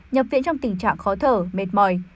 nhập viễn trong tình trạng khó thở mệt mỏi